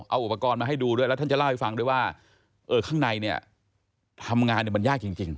เอาอุปกรณ์มาให้ดูด้วยแล้วท่านจะเล่าให้ฟังด้วยว่าเออข้างในเนี่ยทำงานเนี่ยมันยากจริง